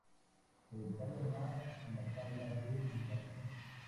Se detallan más en la tabla de debajo.